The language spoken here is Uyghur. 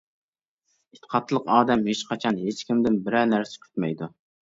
ئېتىقادلىق ئادەم ھېچقاچان، ھېچكىمدىن بىرەر نەرسە كۈتمەيدۇ.